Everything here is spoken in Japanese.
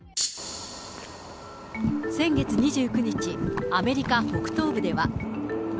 先月２９日、アメリカ北東部では。